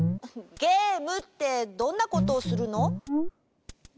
ゲームってどんなことをするの？